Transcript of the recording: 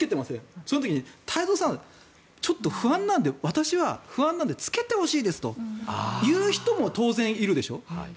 その時に太蔵さんちょっと私不安なので着けてほしいですと言う人も当然いるでしょ。